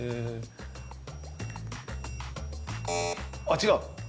あっ違う。